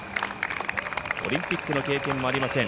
オリンピックの経験もありません。